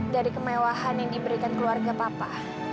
dari kemewahan yang diberikan keluarga papa